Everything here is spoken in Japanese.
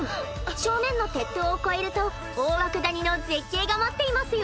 正面の鉄塔を越えると大涌谷の絶景が待っていますよ。